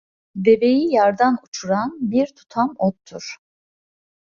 Deveyi yardan uçuran bir tutam ottur.